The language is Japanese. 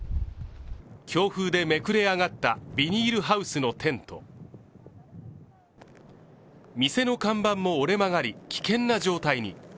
強風でめくれ上がったビニールハウスのテント店の看板も折れ曲がり、危険な状態に。